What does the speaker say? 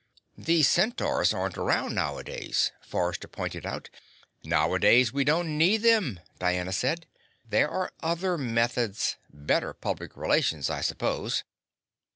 "The creatures aren't around nowadays," Forrester pointed out. "Nowadays we don't need them," Diana said. "There are other methods better public relations, I suppose."